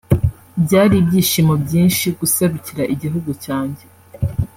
byari ibyishimo byinshi guserukira igihugu cyanjye